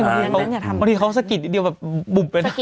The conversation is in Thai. บางทีเขาสะกิดนิดเดียวบุบ